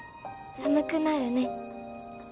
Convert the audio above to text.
寒くなるね」